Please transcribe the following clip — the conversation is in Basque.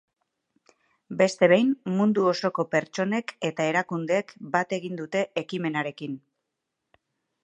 Beste behin, mundu osoko pertsonek eta erakundeek bat egin dute ekimenarekin.